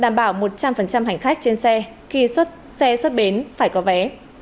đảm bảo một trăm linh hành khách trên xe khi xe xuất bến phải có vé